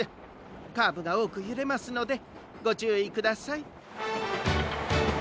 カーブがおおくゆれますのでごちゅういください。